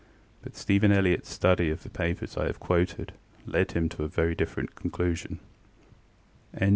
But Stephen ElliottŌĆÖs study of the papers I have quoted led him to a very different conclusion.